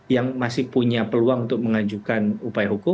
yang masih punya peluang untuk mengajukan upaya hukum